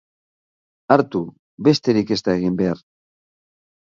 Hartu, besterik ez da egin behar.